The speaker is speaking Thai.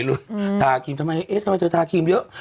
เลยมาพยิบดิสไมฮะทาครีมทำไมเอ๊ะทำไมเธอทาครีมเยอะ